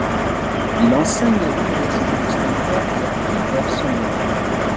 Il enseigne à l'université de Stanford et à Hilversum.